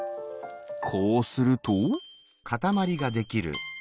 こうすると。